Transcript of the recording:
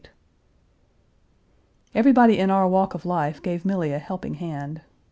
Page 401 Everybody in our walk of life gave Milly a helping hand.